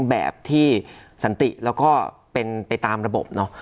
แบบที่สันติแล้วก็เป็นไปตามระบบเนอะ